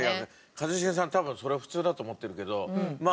一茂さん多分それ普通だと思ってるけどま